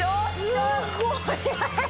すごい。